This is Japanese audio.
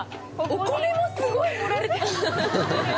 お米もすごい盛られてる！